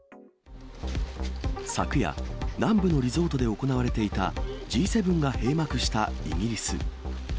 昨夜、南部のリゾートで行われていたＧ７が閉幕したイギリス。